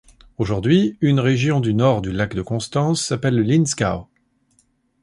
Aujourd'hui une région du nord du lac de Constance s'appelle le Linzgau.